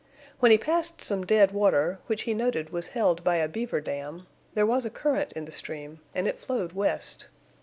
When he passed some dead water, which he noted was held by a beaver dam, there was a current in the stream, and it flowed west.